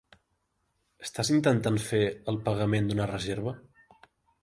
Estàs intentant fer el pagament d'una reserva?